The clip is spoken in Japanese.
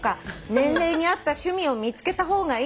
「年齢に合った趣味を見つけた方がいいのか？」